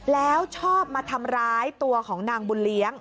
แล้วชอบมาทำร้ายตัวของนางบุญเลี้ยง